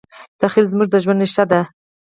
تخیل زموږ د ژوند ریښه ده.